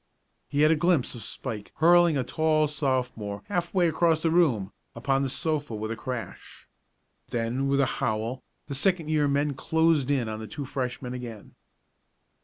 He had a glimpse of Spike hurling a tall Sophomore half way across the room, upon the sofa with a crash. Then with a howl the second year men closed in on the two Freshmen again.